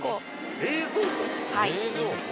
はい。